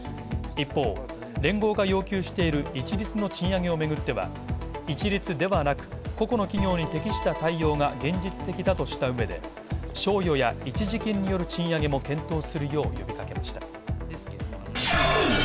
一方、連合が要求している一律の賃上げをめぐっては、一律ではなく個々の企業に適した対応が現実的だとした上で賞与や一時金による賃上げも検討するよう呼びかけました。